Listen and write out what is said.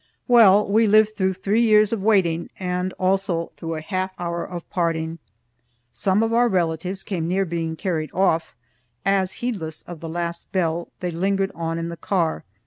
Well, we lived through three years of waiting, and also through a half hour of parting. Some of our relatives came near being carried off, as, heedless of the last bell, they lingered on in the car.